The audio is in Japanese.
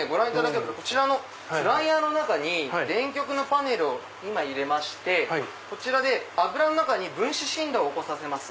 こちらのフライヤーの中に電極のパネルを２枚入れましてこちらで油の中に分子振動を起こさせます。